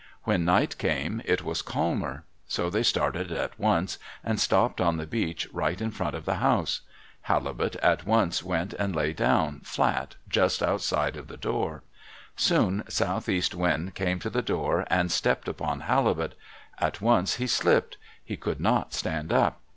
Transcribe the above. When night came, it was calmer. So they started at once, and stopped on the beach right in front of the house. Halibut at once went and lay down flat just outside of the door. Soon Southeast Wind came to the door and stepped upon Halibut. At once he slipped; he could not stand up.